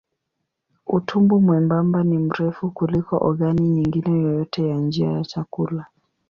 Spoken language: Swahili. Utumbo mwembamba ni mrefu kuliko ogani nyingine yoyote ya njia ya chakula.